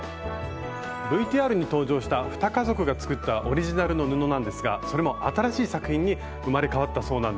ＶＴＲに登場した２家族が作ったオリジナルの布なんですがそれも新しい作品に生まれ変わったそうなんです。